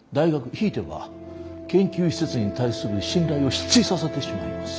ひいては研究施設に対する信頼を失墜させてしまいます。